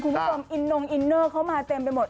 คุณผู้ชมอินนงอินเนอร์เข้ามาเต็มไปหมด